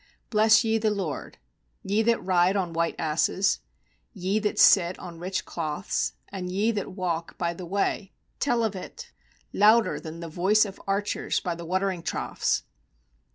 Bless ye the LORD. 10 Ye that ride on white asses, Ye that sit on rich cloths, And ye that walk by the way, tell of it; "Louder than the voice of archers, by the watering troughs!